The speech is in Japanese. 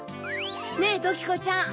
ねっドキコちゃん。